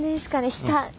下。